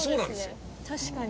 確かに。